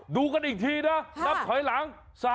ดูกันอีกทีนะนับถอยหลัง